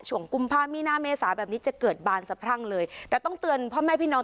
กุมภามีนาเมษาแบบนี้จะเกิดบานสะพรั่งเลยแต่ต้องเตือนพ่อแม่พี่น้อง